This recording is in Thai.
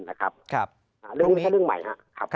แล้วเจอก็จะเห็นเรื่องใหม่ครับ